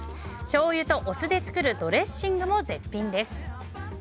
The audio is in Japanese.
しょうゆとお酢で作るドレッシングも絶品です。